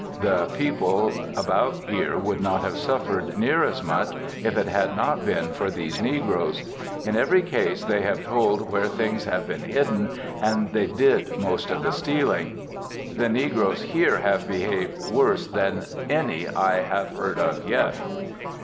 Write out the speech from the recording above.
The people about here would not have suffered near as much if it had not been for these negroes; in every case they have told where things have been hidden and they did most of the stealing. The negroes here have behaved worse than any I have heard of yet.